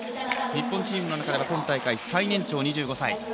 日本チームからは今大会最年長、２５歳。